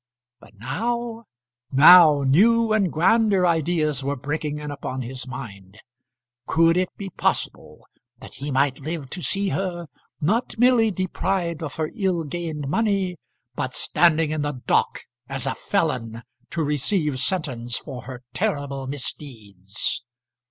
But now now, new and grander ideas were breaking in upon his mind. Could it be possible that he might live to see her, not merely deprived of her ill gained money, but standing in the dock as a felon to receive sentence for her terrible misdeeds?